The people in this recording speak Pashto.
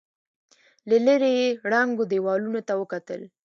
له ليرې يې ړنګو دېوالونو ته وکتل.